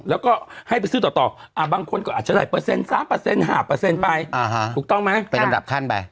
แล้วก็ให้ไปซื้อต่อบางคนก็อาจจะได้เปอร์เซ็นต์๓เปอร์เซ็นต์๕เปอร์เซ็นต์ไปถูกต้องไหมเป็นระดับขั้นไป